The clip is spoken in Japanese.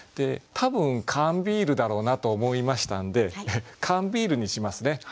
多分缶ビールだろうなと思いましたんで「缶ビール」にしますね。